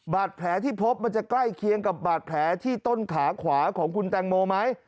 บาดแผลที่พบมันจะใกล้เคียงกับบาดแผลที่ต้นขาขวาของคุณแตงโมไหม